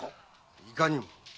いかにも。